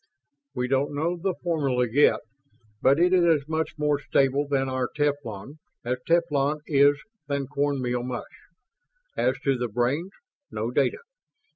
We don't know the formula yet, but it is as much more stable than our teflon as teflon is than corn meal mush. As to the brains, no data.